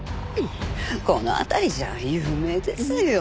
この辺りじゃ有名ですよ。